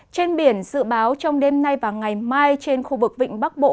trên biển dự báo trong đêm nay và ngày mai trên khu vực vịnh bắc bộ